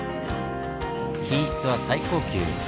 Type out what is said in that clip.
品質は最高級。